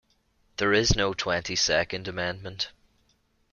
There is no Twenty-second Amendment.